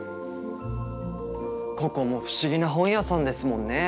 ここも不思議な本屋さんですもんね。